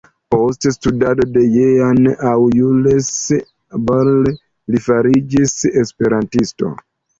Post studado de Jean aŭ Jules Borel, li fariĝis esperantisto.